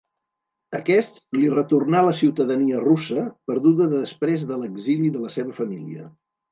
Aquest li retornà la ciutadania russa, perduda després de l'exili de la seva família.